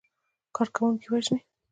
کارکوونکي وژني.